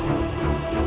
ada di gunung cermain